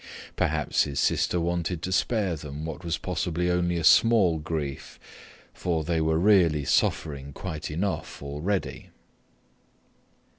Perhaps his sister wanted to spare them what was possibly only a small grief, for they were really suffering quite enough already.